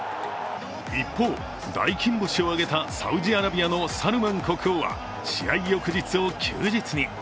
一方、大金星を挙げたサウジアラビアのサルマン国王は試合翌日を休日に。